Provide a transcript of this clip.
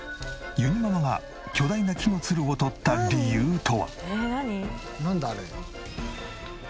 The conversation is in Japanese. ゆにママが巨大な木のツルをとった理由とは？